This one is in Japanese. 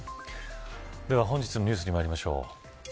では、本日のニュースにまいりましょう。